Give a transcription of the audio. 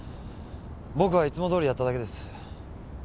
僕はいつもどおりやっただけです。